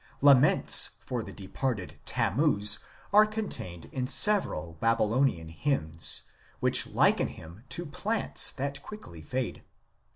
Laments for the departed Tammuz are contained in several Babylonian hymns, which liken him to plants that quickly fade.